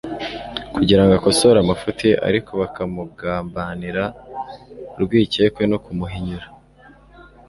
kugira ngo akosore amafuti ye; ariko bakamugumanira urwikekwe no kumuhinyura.